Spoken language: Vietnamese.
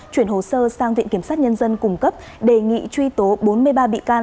chuyển hồ sơ sang viện kiểm sát nhân dân cung cấp đề nghị truy tố bốn mươi ba bị can